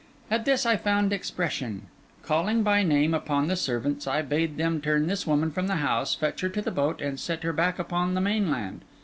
At this, I found expression. Calling by name upon the servants, I bade them turn this woman from the house, fetch her to the boat, and set her back upon the mainland.